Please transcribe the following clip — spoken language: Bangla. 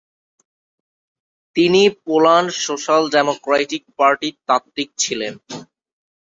তিনি পোল্যান্ড সোশাল ডেমোক্র্যাটিক পার্টির তাত্তিক ছিলেন ।